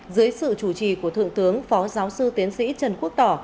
dưới sự chủ trì của thượng tướng phó giáo sư tiến sĩ trần quốc tỏ